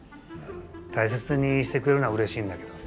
大切にしてくれるのはうれしいんだけどさ